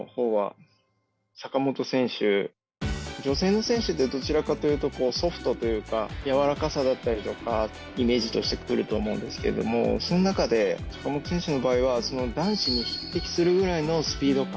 女性の選手ってどちらかというとソフトというかやわらかさだったりとかイメージとして来ると思うんですけどもその中で坂本選手の場合は男子に匹敵するぐらいのスピード感。